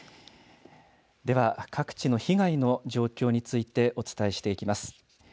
では、各地の被害の状況についてお伝えしていきます。